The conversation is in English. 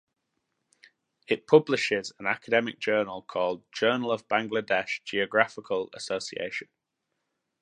It publishes an academic journal called Journal of Bangladesh Geographical Association.